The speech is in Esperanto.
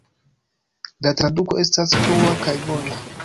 La traduko estas flua kaj bona.